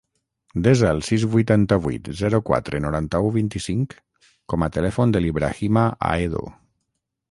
Desa el sis, vuitanta-vuit, zero, quatre, noranta-u, vint-i-cinc com a telèfon de l'Ibrahima Ahedo.